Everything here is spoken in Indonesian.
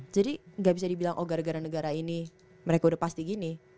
jadi gak bisa dibilang oh gara gara negara ini mereka udah pasti gini